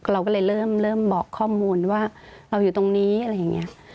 เราก็เลยเริ่มบอกข้อมูลว่าเราอยู่ตรงนี้อะไรอย่างนี้